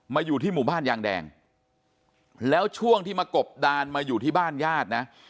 อยู่ที่หมู่บ้านยางแดงแล้วช่วงที่มากบดานมาอยู่ที่บ้านญาตินะ